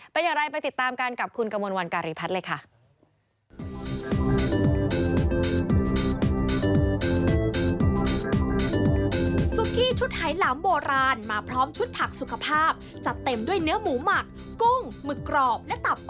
เป็นอย่างไรไปติดตามกันกับคุณกมลวันการีพัฒน์เลยค่ะ